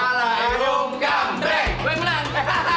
gua yang menang